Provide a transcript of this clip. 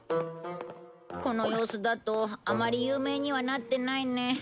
この様子だとあまり有名にはなってないね。